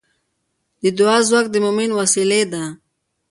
د دعا ځواک د مؤمن وسلې ده.